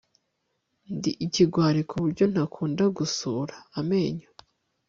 Ndi ikigwari kuburyo ntakunda gusura amenyo